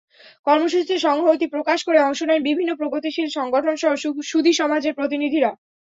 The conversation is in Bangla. কর্মসূচিতে সংহতি প্রকাশ করে অংশ নেন বিভিন্ন প্রগতিশীল সংগঠনসহ সুধী সমাজের প্রতিনিধিরা।